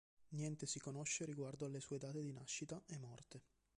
Niente si conosce riguardo alle sue date di nascita e morte.